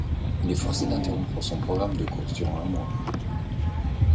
Il est forcé d'interrompre son programme de course durant un mois.